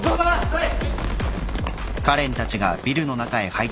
はい！